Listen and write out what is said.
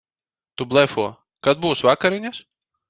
Tu blefo. Kad būs vakariņas?